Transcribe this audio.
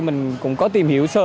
mình cũng có tìm hiểu sơ